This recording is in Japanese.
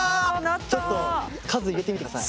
ちょっと数入れてみて下さい。